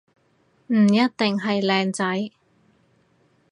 唔一定係靚仔